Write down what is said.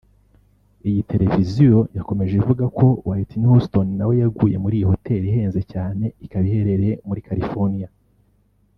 Iyi televiziyo yakomeje ivuga ko Whitney Houston nawe yaguye muri iyi hoteli ihenze cyane ikaba iherereye muri California